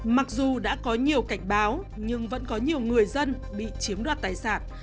mặc dù đã có nhiều cảnh báo nhưng vẫn có nhiều người dân bị chiếm đoạt tài sản